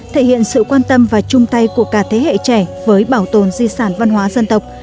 thể hiện sự quan tâm và chung tay của cả thế hệ trẻ với bảo tồn di sản văn hóa dân tộc